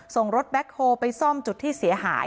ส่งรถแบ็คโฮลไปซ่อมจุดที่เสียหาย